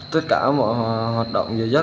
tất cả mọi hoạt động